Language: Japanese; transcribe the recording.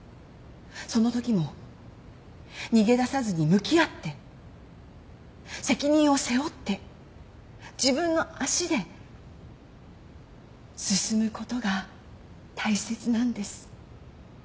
そのときも逃げ出さずに向き合って責任を背負って自分の足で進むことが大切なんです。